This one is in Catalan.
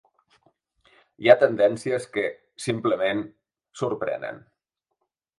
Hi ha tendències que, simplement, sorprenen.